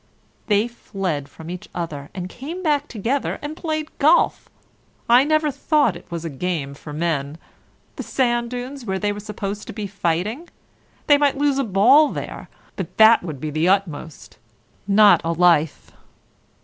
They fled from each other, and came back together and played golf. I never thought it was a game for men. The sand dunes where they were supposed to be fighting! They might lose a ball there, but that would be the utmost. Not a life.